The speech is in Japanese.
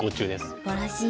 すばらしい。